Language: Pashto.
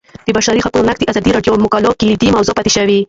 د بشري حقونو نقض د ازادي راډیو د مقالو کلیدي موضوع پاتې شوی.